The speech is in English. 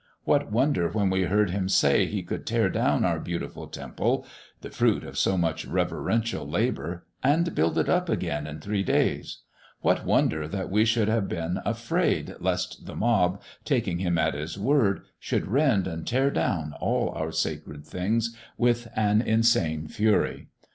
What wonder when we heard Him say He could tear down our beautiful Temple (the fruit of so much reverential labor) and build it up again in three days what wonder that we should have been afraid lest the mob, taking Him at His word, should rend and tear down all our sacred things with an insane fury.